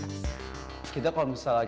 memiliki kekurangan dibanding lulusan universitas